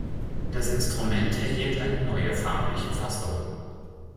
Das Instrument erhielt eine neue farbliche Fassung.